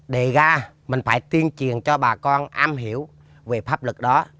đề ra mình phải tuyên truyền cho bà con am hiểu về pháp luật đó